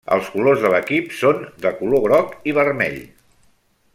Els colors de l'equip són de color groc i vermell.